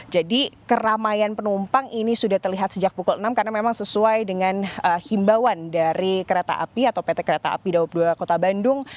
jadi keramaian penumpang ini sudah terlihat sejak pukul enam karena memang sesuai dengan himbauan dari kereta api atau pt kereta api dawab dua kota bandung